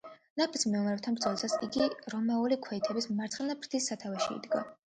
ნაფიც მეომრებთან ბრძოლისას იგი რომაელი ქვეითების მარცხენა ფრთის სათავეში იდგა.